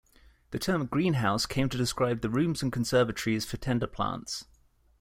The term greenhouse came to describe the rooms and conservatories for tender plants.